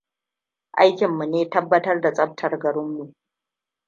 Aikinmu ne tabbatar da tsaftar garinmu.